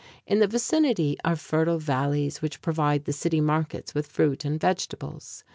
In the vicinity are fertile valleys which provide the city markets with fruits and vegetables.